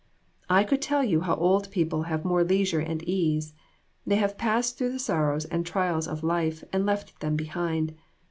"I could tell you how old people have more leisure and ease ; they have passed through the sorrows and trials of life and left them behind.